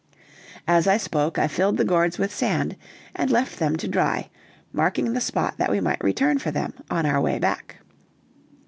As I spoke, I filled the gourds with sand, and left them to dry; marking the spot that we might return for them on our way back.